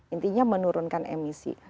intinya menurunkan emisi